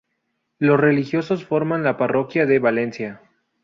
Los religiosos formaron la Parroquia de Valencia.